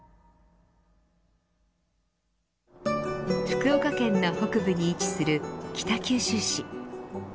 福岡県の北部に位置する北九州市。